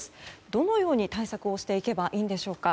どのように対策をしていけばいいんでしょうか。